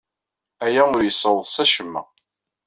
Aya ur yessaweḍ s acemma.